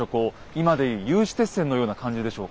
今で言う有刺鉄線のような感じでしょうか。